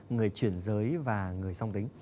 người chuyển giới và người song tính